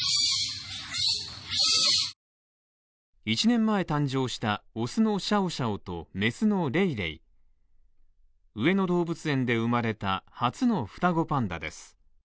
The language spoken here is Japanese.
１年前誕生した雄のシャオシャオと雌のレイレイ上野動物園で生まれた初の双子パンダです。